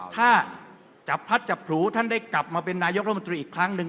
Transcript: ถ้าจับพัดจับผลูท่านได้กลับมาเป็นนายกรัฐมนตรีอีกครั้งหนึ่ง